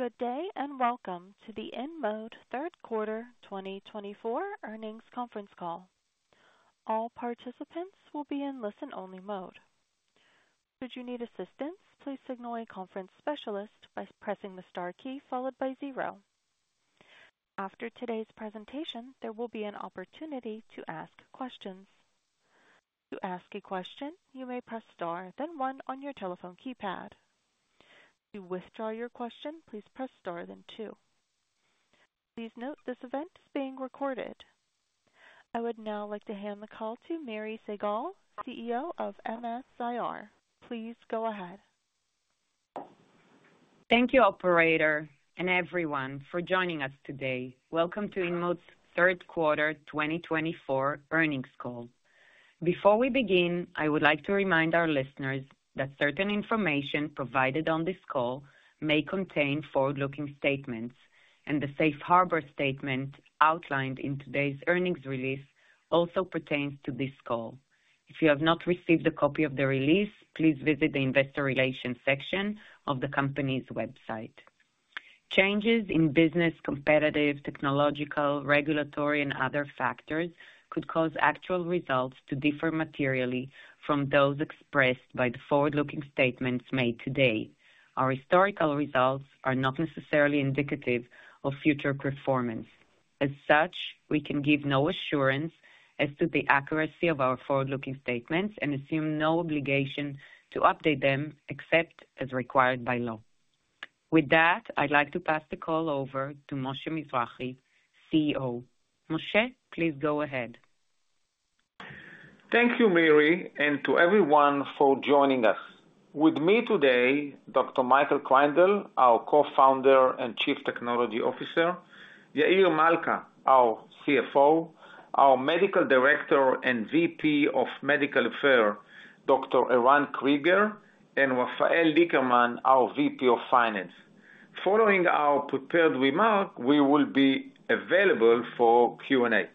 Good day and welcome to the InMode Q3 2024 earnings conference call. All participants will be in listen-only mode. Should you need assistance, please signal a conference specialist by pressing the star key followed by zero. After today's presentation, there will be an opportunity to ask questions. To ask a question, you may press star, then one on your telephone keypad. To withdraw your question, please press star, then two. Please note this event is being recorded. I would now like to hand the call to Miri Segal, CEO of MS-IR. Please go ahead. Thank you, Operator, and everyone, for joining us today. Welcome to InMode's Q3 2024 earnings call. Before we begin, I would like to remind our listeners that certain information provided on this call may contain forward-looking statements, and the safe harbor statement outlined in today's earnings release also pertains to this call. If you have not received a copy of the release, please visit the investor relations section of the company's website. Changes in business, competitive, technological, regulatory, and other factors could cause actual results to differ materially from those expressed by the forward-looking statements made today. Our historical results are not necessarily indicative of future performance. As such, we can give no assurance as to the accuracy of our forward-looking statements and assume no obligation to update them except as required by law. With that, I'd like to pass the call over to Moshe Mizrahy, CEO. Moshe, please go ahead. Thank you, Miri, and to everyone for joining us. With me today, Dr. Michael Kreindel, our Co-founder and Chief Technology Officer; Yair Malca, our CFO; our medical director and VP of medical affairs, Dr. Eran Krieger; and Rafael Lickerman, our VP of finance. Following our prepared remark, we will be available for Q&A.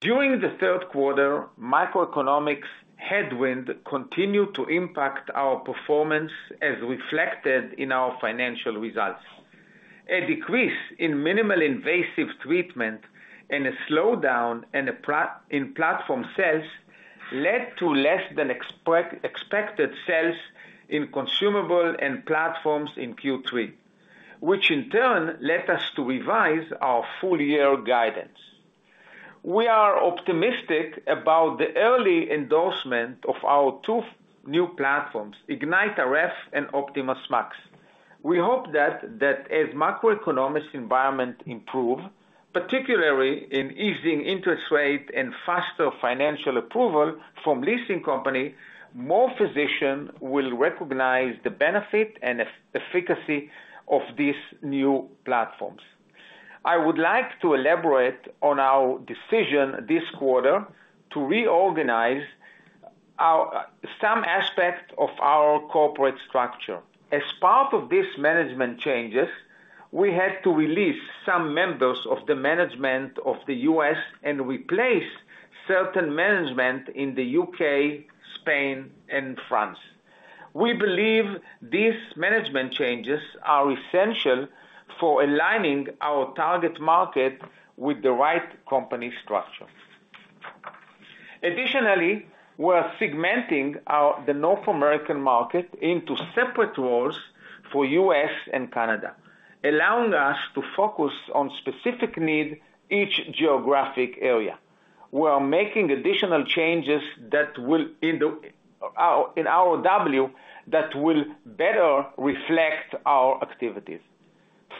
During the Q3, macroeconomic headwinds continued to impact our performance as reflected in our financial results. A decrease in minimally invasive treatment and a slowdown in platform sales led to less-than-expected sales in consumables and platforms in Q3, which in turn led us to revise our full-year guidance. We are optimistic about the early endorsement of our 2 new platforms, IgniteRF and Optimas Max. We hope that as macroeconomic environments improve, particularly in easing interest rates and faster financial approval from leasing companies, more physicians will recognize the benefit and efficacy of these new platforms. I would like to elaborate on our decision this quarter to reorganize some aspects of our corporate structure. As part of these management changes, we had to release some members of the management of the U.S. and replace certain management in the U.K., Spain, and France. We believe these management changes are essential for aligning our target market with the right company structure. Additionally, we're segmenting the North American market into separate roles for the U.S. and Canada, allowing us to focus on specific needs in each geographic area. We're making additional changes in our workflow that will better reflect our activities.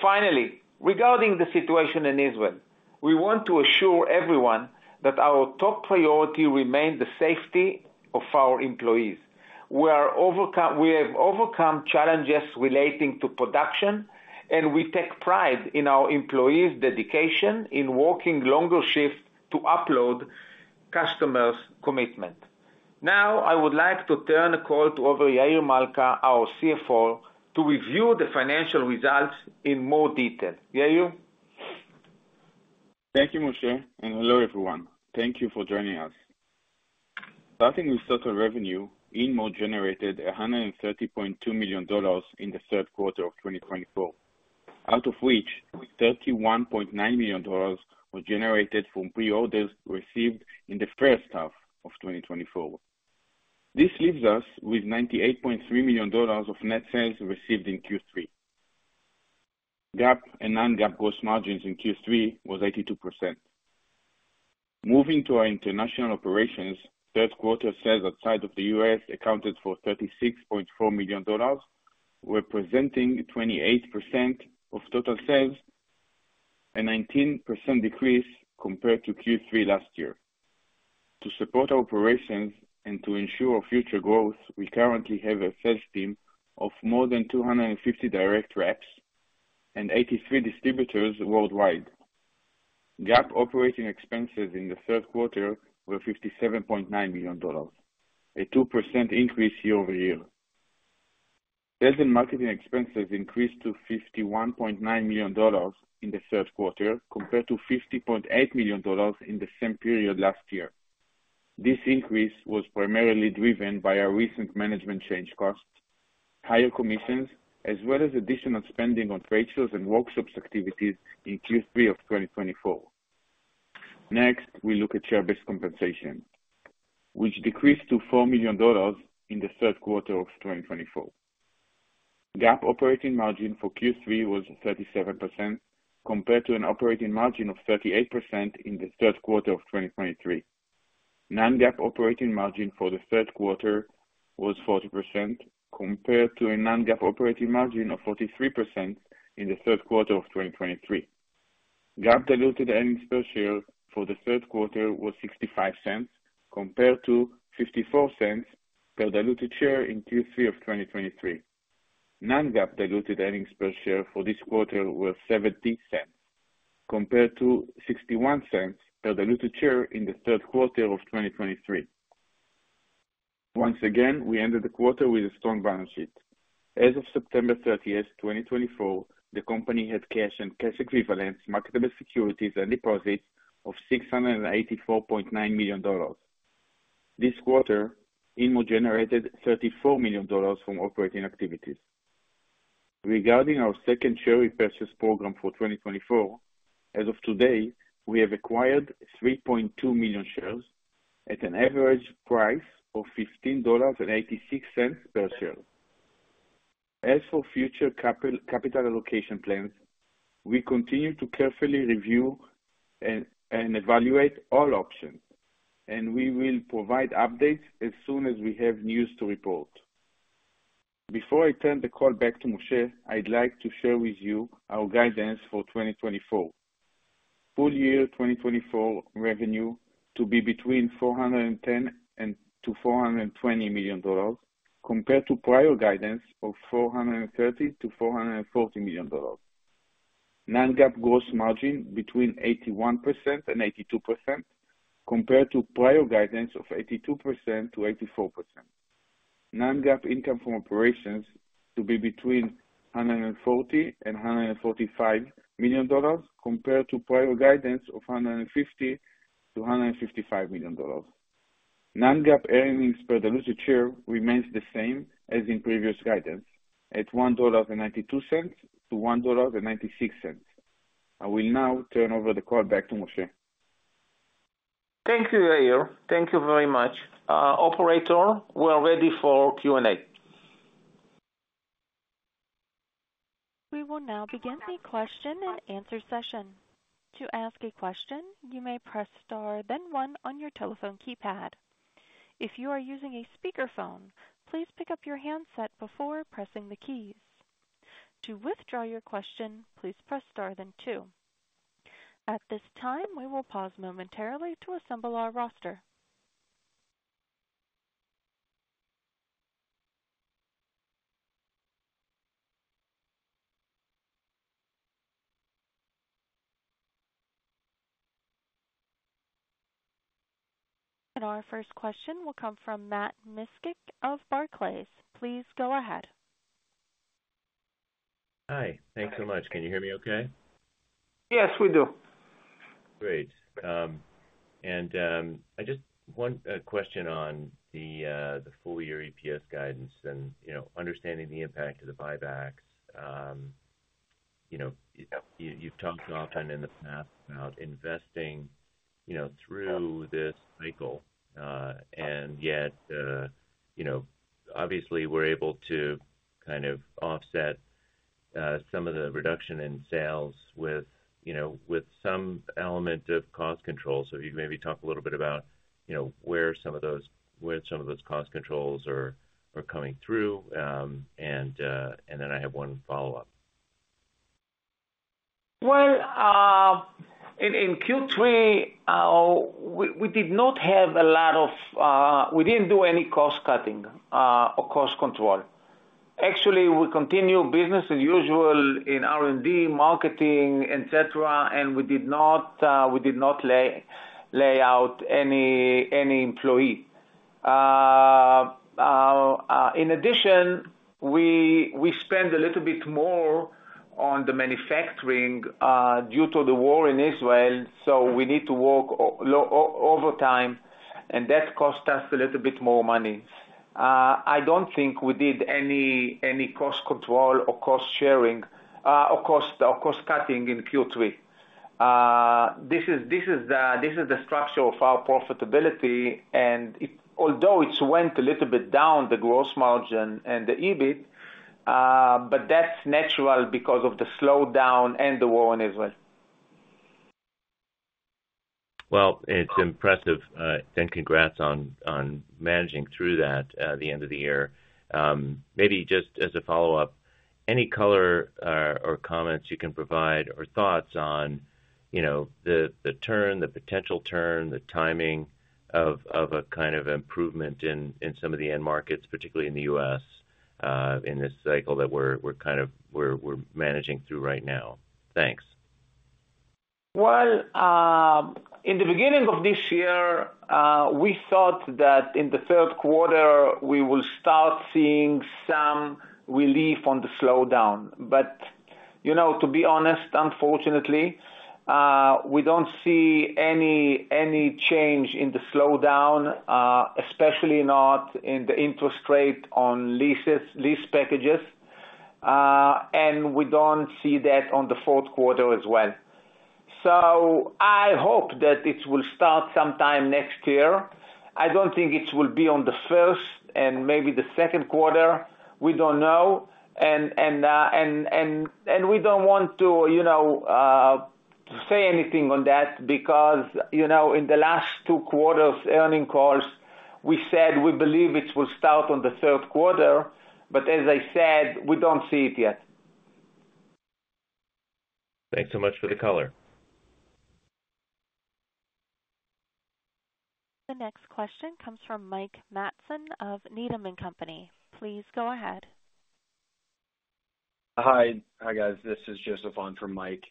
Finally, regarding the situation in Israel, we want to assure everyone that our top priority remains the safety of our employees. We have overcome challenges relating to production, and we take pride in our employees' dedication in working longer shifts to uphold customers' commitment. Now, I would like to turn the call over to Yair Malca, our CFO, to review the financial results in more detail. Yair? Thank you, Moshe, and hello, everyone. Thank you for joining us. Starting with total revenue, InMode generated $130.2 million in Q3 of 2024, out of which $31.9 million was generated from pre-orders received in Q1 of 2024. This leaves us with $98.3 million of net sales received in Q3. GAAP and non-GAAP gross margins in Q3 were 82%. Moving to our international operations, Q3 sales outside of the U.S. accounted for $36.4 million, representing 28% of total sales, a 19% decrease compared to Q3 last year. To support our operations and to ensure future growth, we currently have a sales team of more than 250 direct reps and 83 distributors worldwide. GAAP operating expenses in Q3 were $57.9 million, a 2% increase year-over-year. Sales and marketing expenses increased to $51.9 million in Q3 compared to $50.8 million in the same period last year. This increase was primarily driven by our recent management change costs, higher commissions, as well as additional spending on trade shows and workshops activities in Q3 of 2024. Next, we look at share-based compensation, which decreased to $4 million in Q3 of 2024. GAAP operating margin for Q3 was 37% compared to an operating margin of 38% in Q3 of 2023. Non-GAAP operating margin for Q3 was 40% compared to a Non-GAAP operating margin of 43% in Q3 of 2023. GAAP diluted earnings per share for Q3 was $0.65 compared to 0.54 per diluted share in Q3 of 2023. Non-GAAP diluted earnings per share for this quarter was $0.70 compared to 0.61 per diluted share in Q3 of 2023. Once again, we ended the quarter with a strong balance sheet. As of September 30, 2024, the company had cash and cash equivalents, marketable securities, and deposits of $684.9 million. This quarter, InMode generated $34 million from operating activities. Regarding our second share repurchase program for 2024, as of today, we have acquired 3.2 million shares at an average price of $15.86 per share. As for future capital allocation plans, we continue to carefully review and evaluate all options, and we will provide updates as soon as we have news to report. Before I turn the call back to Moshe, I'd like to share with you our guidance for 2024. Full-year 2024 revenue to be between $410-420 million compared to prior guidance of $430-440 million. Non-GAAP gross margin between 81%-82 compared to prior guidance of 82%-84. Non-GAAP income from operations to be between $140-145 million compared to prior guidance of $150-155 million. Non-GAAP earnings per diluted share remains the same as in previous guidance at $1.92-1.96. I will now turn over the call back to Moshe. Thank you, Yair. Thank you very much. Operator, we're ready for Q&A. We will now begin the question and answer session. To ask a question, you may press star, then one on your telephone keypad. If you are using a speakerphone, please pick up your handset before pressing the keys. To withdraw your question, please press star, then two. At this time, we will pause momentarily to assemble our roster. Our first question will come from Matt Miksic of Barclays. Please go ahead. Hi. Thanks so much. Can you hear me okay? Yes, we do. Great. And just 1 question on the full-year EPS guidance and understanding the impact of the buybacks. You've talked often in the past about investing through this cycle, and yet, obviously, we're able to kind of offset some of the reduction in sales with some element of cost control. So if you could maybe talk a little bit about where some of those cost controls are coming through, and then I have 1 follow-up. In Q3, we didn't do any cost cutting or cost control. Actually, we continued business as usual in R&D, marketing, etc., and we did not lay off any employee. In addition, we spend a little bit more on the manufacturing due to the war in Israel, so we need to work overtime, and that costs us a little bit more money. I don't think we did any cost control or cost sharing or cost cutting in Q3. This is the structure of our profitability, and although it went a little bit down, the gross margin and the EBIT, but that's natural because of the slowdown and the war in Israel. It's impressive. Congrats on managing through that at the end of the year. Maybe just as a follow-up, any color or comments you can provide or thoughts on the turn, the potential turn, the timing of a kind of improvement in some of the end markets, particularly in the U.S., in this cycle that we're kind of managing through right now? Thanks. In the beginning of this year, we thought that in Q3, we would start seeing some relief on the slowdown. To be honest, unfortunately, we don't see any change in the slowdown, especially not in the interest rate on lease packages, and we don't see that on Q4 as well. I hope that it will start sometime next year. I don't think it will be on Q1 and maybe Q2. We don't know, and we don't want to say anything on that because in the last 2 quarters' earnings calls, we said we believe it will start on Q4, but as I said, we don't see it yet. Thanks so much for the color. The next question comes from Mike Matson of Needham & Company. Please go ahead. Hi, guys. This is Joseph from Mike.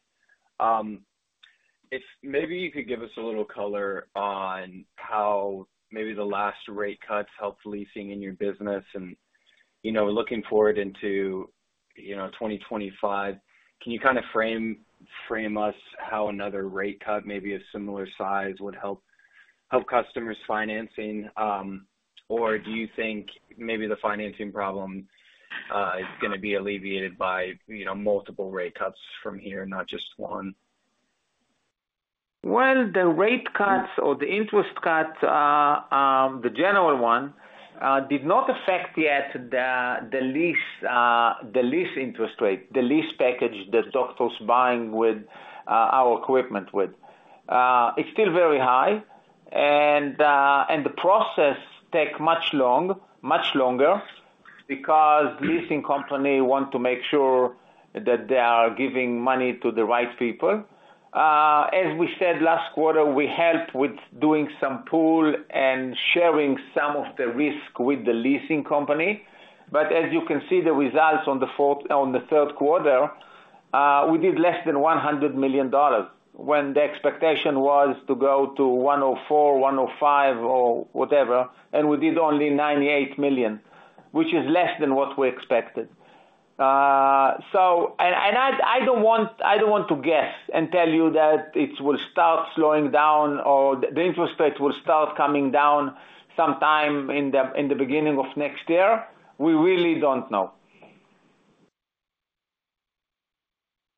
If maybe you could give us a little color on how maybe the last rate cuts helped leasing in your business and looking forward into 2025, can you kind of frame us how another rate cut, maybe of similar size, would help customers' financing? Or do you think maybe the financing problem is going to be alleviated by multiple rate cuts from here, not just 1? The rate cuts or the interest cuts, the general one, did not affect yet the lease interest rate, the lease package that doctors are buying our equipment with. It's still very high, and the process takes much longer because the leasing company wants to make sure that they are giving money to the right people. As we said last quarter, we helped with doing some pooling and sharing some of the risk with the leasing company. But as you can see, the results on Q3, we did less than $100 million when the expectation was to go to $104 million, $105 million, or whatever, and we did only $98 million, which is less than what we expected. I don't want to guess and tell you that it will start slowing down or the interest rate will start coming down sometime in the beginning of next year. We really don't know.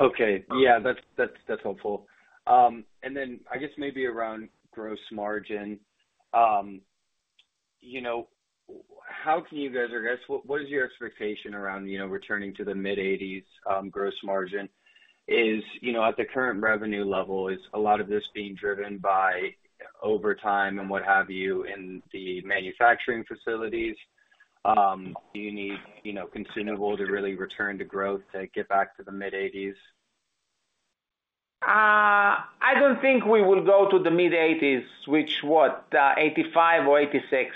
Okay. Yeah, that's helpful. And then I guess maybe around gross margin, how can you guys or I guess what is your expectation around returning to the mid-80s gross margin? At the current revenue level, is a lot of this being driven by overtime and what have you in the manufacturing facilities? Do you need consumables to really return to growth to get back to the mid-80s? I don't think we will go to the mid-80s, which, what, 85% or 86?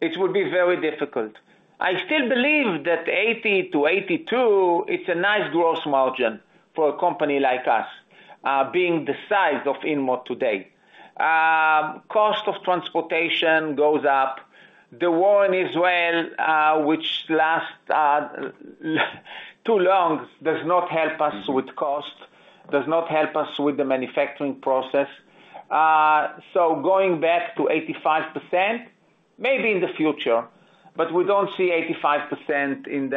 It would be very difficult. I still believe that 80%-82, it's a nice gross margin for a company like us, being the size of InMode today. Cost of transportation goes up. The war in Israel, which lasts too long, does not help us with cost, does not help us with the manufacturing process. So going back to 85%, maybe in the future, but we don't see 85% in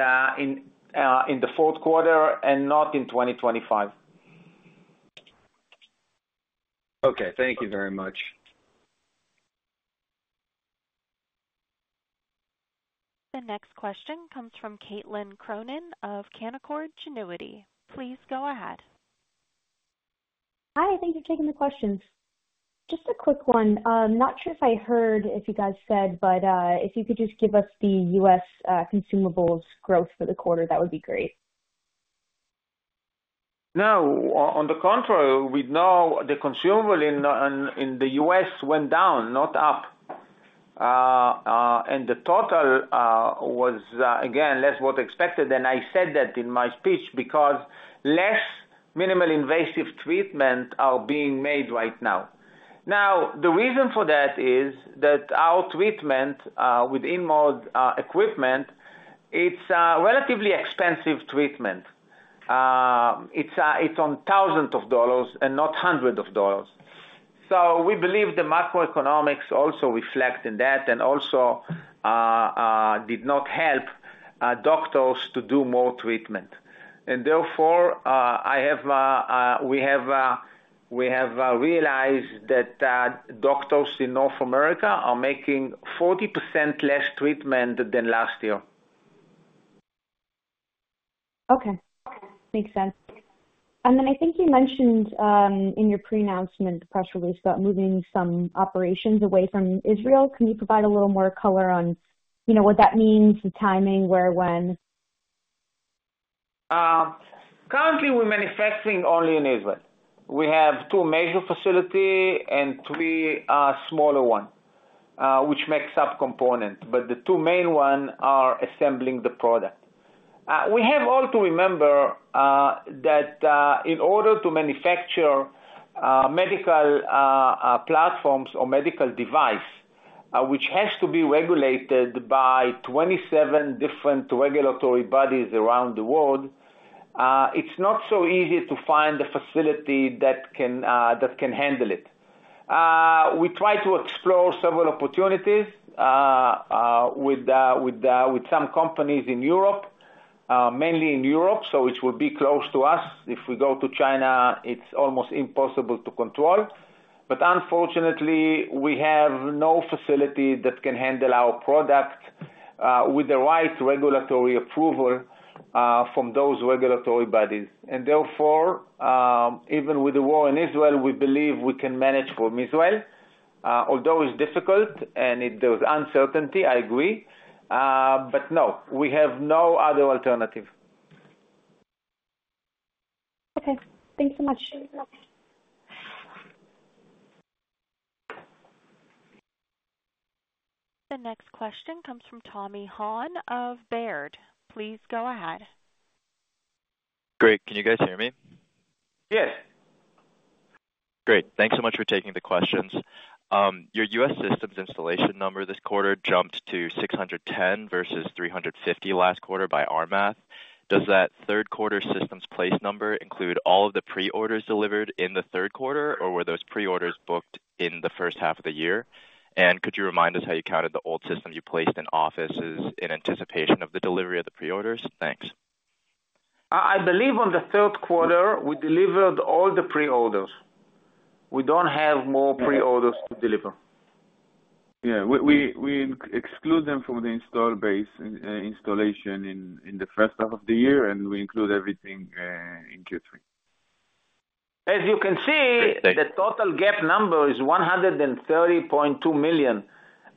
Q4 and not in 2025. Okay. Thank you very much. The next question comes from Caitlin Cronin of Canaccord Genuity. Please go ahead. Hi. Thank you for taking the questions. Just a quick one. I'm not sure if I heard if you guys said, but if you could just give us the U.S. consumables growth for the quarter, that would be great. No. On the contrary, we know the consumable in the U.S. went down, not up, and the total was, again, less than what we expected, and I said that in my speech because less minimally invasive treatment is being made right now. Now, the reason for that is that our treatment with InMode equipment, it's a relatively expensive treatment. It's on thousands of dollars and not hundreds of dollars. So we believe the macroeconomics also reflect in that and also did not help doctors to do more treatment, and therefore, we have realized that doctors in North America are making 40% less treatment than last year. Okay. Makes sense. And then I think you mentioned in your pre-announcement, the press release about moving some operations away from Israel. Can you provide a little more color on what that means, the timing, where, when? Currently, we're manufacturing only in Israel. We have 2 major facilities and 3 smaller ones, which makes up components. But the 2 main ones are assembling the product. We have all to remember that in order to manufacture medical platforms or medical devices, which have to be regulated by 27 different regulatory bodies around the world, it's not so easy to find a facility that can handle it. We try to explore several opportunities with some companies in Europe, mainly in Europe, so it will be close to us. If we go to China, it's almost impossible to control. But unfortunately, we have no facility that can handle our products with the right regulatory approval from those regulatory bodies. And therefore, even with the war in Israel, we believe we can manage from Israel. Although it's difficult and there's uncertainty, I agree. But no, we have no other alternative. Okay. Thanks so much. The next question comes from Tommy Hahn of Baird. Please go ahead. Great. Can you guys hear me? Yes. Great. Thanks so much for taking the questions. Your U.S. systems installation number this quarter jumped to 610 versus 350 last quarter by our math. Does that Q3 systems placed number include all of the preorders delivered in Q3, or were those preorders booked in the first half of the year? And could you remind us how you counted the old systems you placed in offices in anticipation of the delivery of the preorders? Thanks. I believe on Q3, we delivered all the preorders. We don't have more preorders to deliver. Yeah. We exclude them from the installed base installation in the first half of the year, and we include everything in Q3. As you can see, the total gap number is $130.2 million,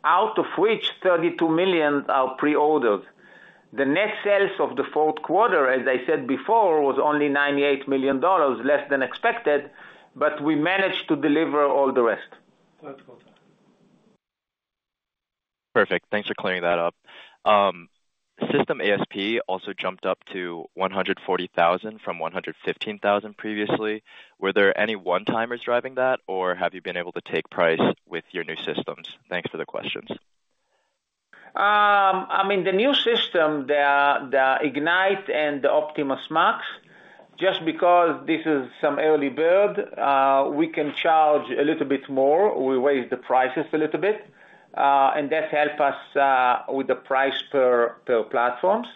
out of which $32 million are preorders. The net sales of Q4, as I said before, was only $98 million, less than expected, but we managed to deliver all the rest. Perfect. Thanks for clearing that up. System ASP also jumped up to $140,000 from 115,000 previously. Were there any one-timers driving that, or have you been able to take price with your new systems? Thanks for the questions. I mean, the new system, the Ignite and the Optimas Max, just because this is some early bird, we can charge a little bit more. We raise the prices a little bit, and that helps us with the price per platforms.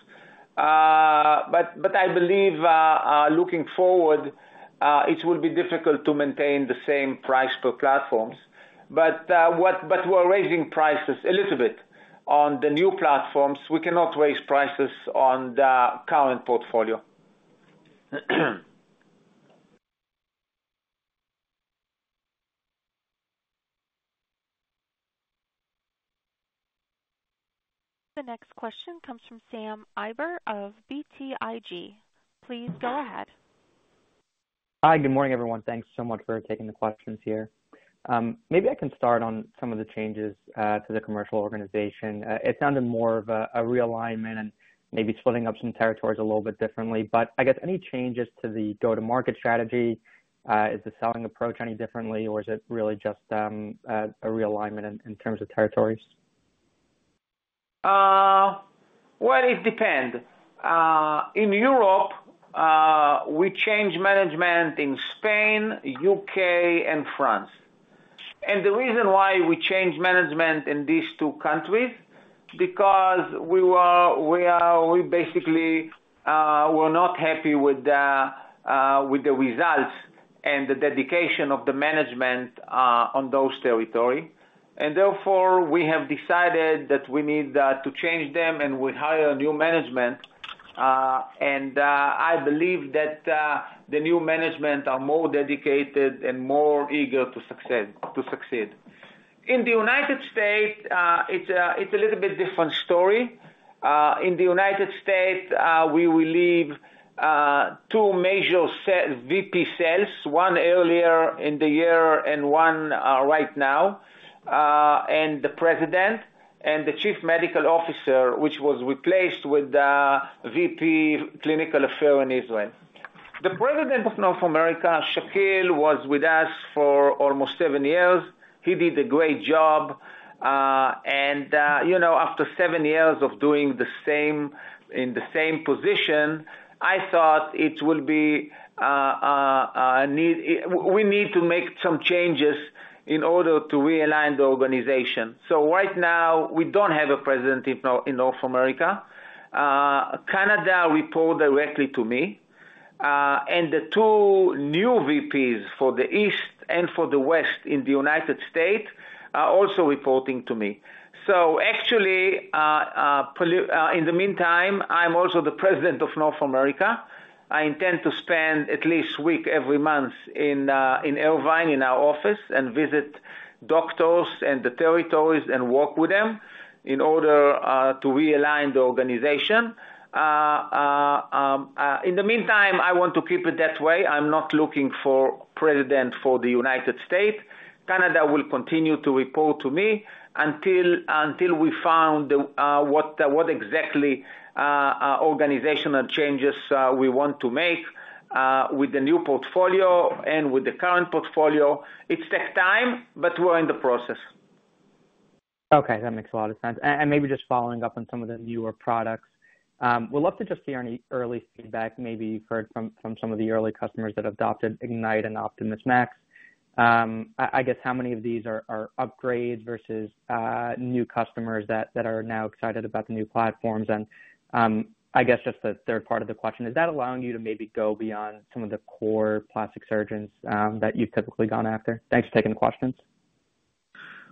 But I believe looking forward, it will be difficult to maintain the same price per platforms. But we're raising prices a little bit on the new platforms. We cannot raise prices on the current portfolio. The next question comes from Sam Eiber of BTIG. Please go ahead. Hi. Good morning, everyone. Thanks so much for taking the questions here. Maybe I can start on some of the changes to the commercial organization. It sounded more of a realignment and maybe splitting up some territories a little bit differently. But I guess any changes to the go-to-market strategy? Is the selling approach any differently, or is it really just a realignment in terms of territories? It depends. In Europe, we changed management in Spain, U.K., and France. And the reason why we changed management in these 2 countries is because we basically were not happy with the results and the dedication of the management on those territories. And therefore, we have decided that we need to change them, and we hired a new management. And I believe that the new management are more dedicated and more eager to succeed. In the United States, it's a little bit different story. In the United States, we had 2 major VP sales leave, 1 earlier in the year and 1 right now, and the president and the chief medical officer, which was replaced with the VP clinical affairs in Israel. The president of North America, Shakil, was with us for almost 7 years. He did a great job. And after 7 years of doing the same in the same position, I thought it will be a need we need to make some changes in order to realign the organization. So right now, we don't have a president in North America. Canada reports directly to me, and the 2 new VPs for the East and for the West in the United States are also reporting to me. So actually, in the meantime, I'm also the president of North America. I intend to spend at least a week every month in Irvine in our office and visit doctors and the territories and work with them in order to realign the organization. In the meantime, I want to keep it that way. I'm not looking for a president for the United States. Canada will continue to report to me until we find what exactly organizational changes we want to make with the new portfolio and with the current portfolio. It takes time, but we're in the process. Okay. That makes a lot of sense. And maybe just following up on some of the newer products, we'd love to just hear any early feedback. Maybe you've heard from some of the early customers that adopted Ignite and Optimas Max. I guess how many of these are upgrades versus new customers that are now excited about the new platforms? And I guess just the third part of the question, is that allowing you to maybe go beyond some of the core plastic surgeons that you've typically gone after? Thanks for taking the questions.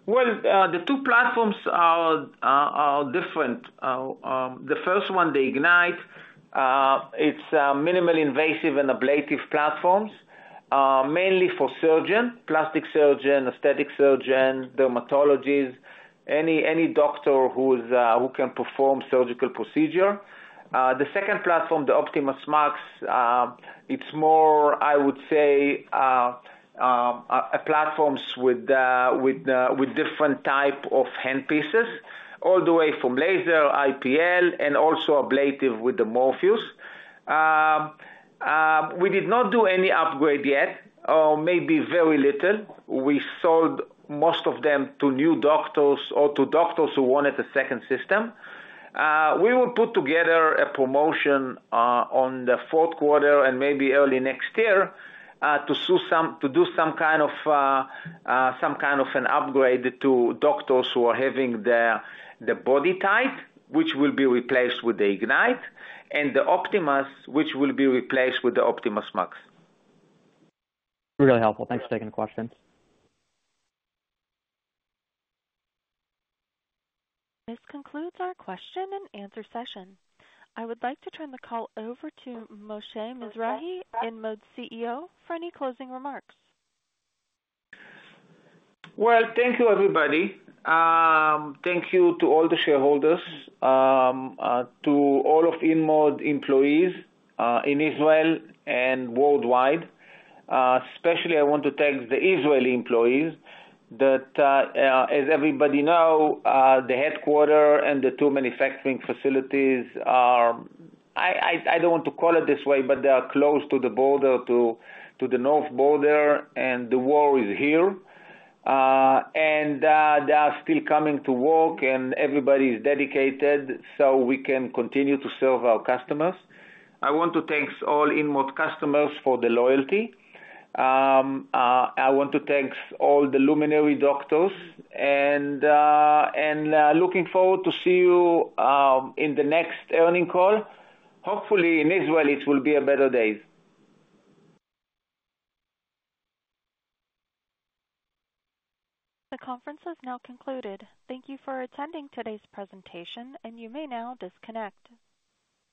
The 2 platforms are different. The first one, the Ignite, it's minimally invasive and ablative platforms, mainly for surgeons, plastic surgeons, aesthetic surgeons, dermatologists, any doctor who can perform surgical procedures. The second platform, the Optimas Max, it's more, I would say, platforms with different types of handpieces, all the way from laser, IPL, and also ablative with the Morpheus. We did not do any upgrade yet, or maybe very little. We sold most of them to new doctors or to doctors who wanted a second system. We will put together a promotion on Q4 and maybe early next year to do some kind of an upgrade to doctors who are having the BodyTite, which will be replaced with the Ignite, and the Optmas, which will be replaced with the Optimas Max. Really helpful. Thanks for taking the questions. This concludes our question and answer session. I would like to turn the call over to Moshe Mizrahy InMode CEO for any closing remarks. Thank you, everybody. Thank you to all the shareholders, to all of InMode employees in Israel and worldwide. Especially, I want to thank the Israeli employees that, as everybody knows, the headquarters and the 2 manufacturing facilities are, I don't want to call it this way, but they are close to the border, to the north border, and the war is here. They are still coming to work, and everybody is dedicated so we can continue to serve our customers. I want to thank all InMode customers for the loyalty. I want to thank all the luminary doctors. Looking forward to seeing you in the next earnings call. Hopefully, in Israel, it will be better days. The conference has now concluded. Thank you for attending today's presentation, and you may now disconnect.